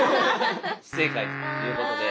不正解ということで。